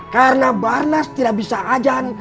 karena barnas tidak bisa ajan